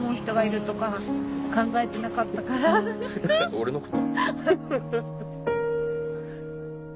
俺のこと？